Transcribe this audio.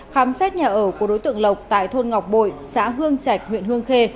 khám xét nhà ở của đối tượng lộc tại thôn ngọc bội xã hương trạch huyện hương khê